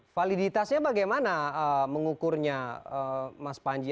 validitasnya bagaimana mengukurnya mas panji